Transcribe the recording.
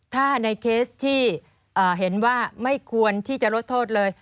ถ้าในเคสที่เห็นว่าไม่ควรที่จะลดโทษเลย